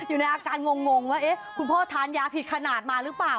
อยู่ในอาการงงว่าคุณพ่อทานยาผิดขนาดมาหรือเปล่า